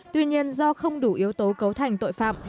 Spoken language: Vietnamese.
tuy nhiên do không đủ yếu tố cấu thành tội phạm